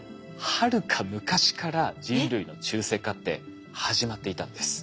はるか昔から人類の中性化って始まっていたんです。